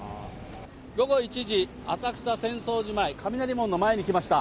午後１時、浅草・浅草寺前、雷門の前に来ました。